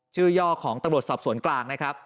ย่อของตำรวจสอบสวนกลางนะครับ